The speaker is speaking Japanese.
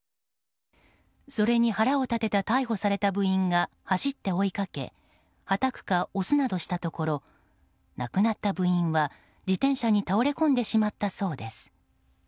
それに腹を立てた逮捕された部員が走って追いかけはたくか、押すなどしたところ亡くなった部員は自転車に倒れ込んでしまったそうです。